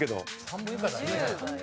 半分以下だよね。